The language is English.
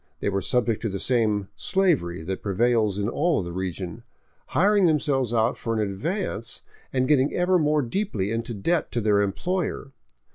They were subject to the same " slavery " that prevails in all the region, hiring themselves out for an advance and getting ever more deeply into debt to their employer.